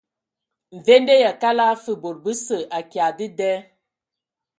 Mvende yʼakala fə bod bəsə akya dəda.